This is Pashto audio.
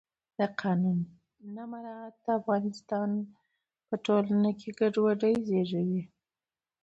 د قانون نه مراعت د افغانستان په ټولنه کې ګډوډي زیږوي